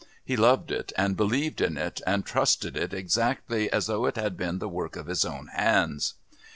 He loved it and believed in it and trusted it exactly as though it had been the work of his own hands.